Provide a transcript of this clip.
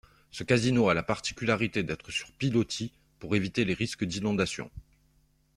Ce casino a la particularité d'être sur pilotis pour éviter les risques d'inondations.